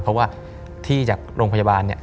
เพราะว่าที่จากโรงพยาบาลเนี่ย